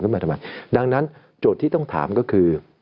มาทำไมดังนั้นโจทย์ที่ต้องถามก็คือ